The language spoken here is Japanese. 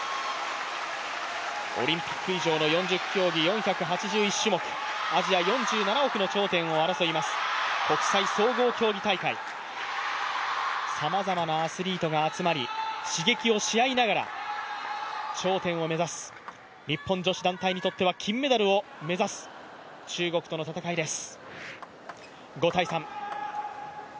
オリンピック以上の４０競技、４８１種目、アジア４７億の頂点を争います、国際総合競技大会、さまざまなアスリートが集まり刺激をし合いながら頂点を目指す、日本女子団体にとっては金メダルを目指す中国との戦いです。